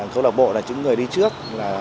câu lạc bộ là những người đi trước